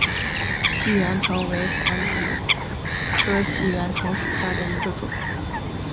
细圆藤为防己科细圆藤属下的一个种。